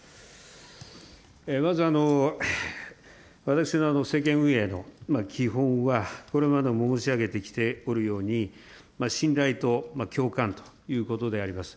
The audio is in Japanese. まず、私の政権運営の基本は、これまでも申し上げてきておるように、信頼と共感ということであります。